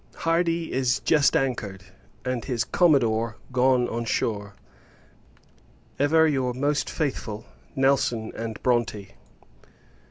Hardy is just anchored, and his commodore gone on shore. Ever your most faithful NELSON & BRONTE.